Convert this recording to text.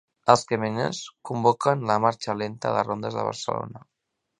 Els camioners convoquen la marxa lenta a les rondes de Barcelona.